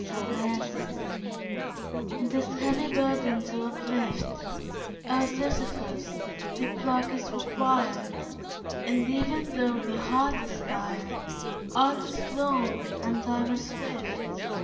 Ill Luck This heavy burden to uplift, O Sysiphus, thy pluck is required! And even though the heart aspired, Art is long and Time is swift.